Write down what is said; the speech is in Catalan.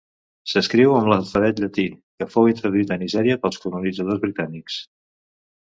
S'escriu amb l'alfabet llatí, que fou introduït a Nigèria pels colonitzadors britànics.